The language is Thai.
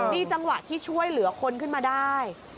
นี่จังหวะที่ช่วยเหลือคนขึ้นมาได้